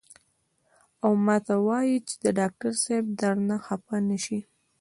او ماته وائي چې ډاکټر صېب درنه خفه نشي " ـ